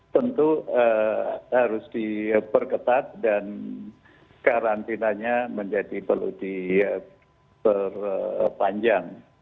tentu harus diperketat dan karantinanya menjadi perlu diperpanjang